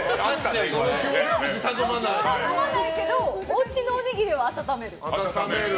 頼まないけどおうちのおにぎりは温める。